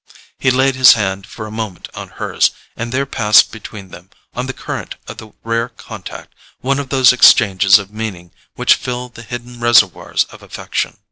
He laid his hand for a moment on hers, and there passed between them, on the current of the rare contact, one of those exchanges of meaning which fill the hidden reservoirs of affection.